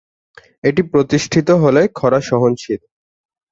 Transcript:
এটি প্রতিষ্ঠিত হলে খরা সহনশীল।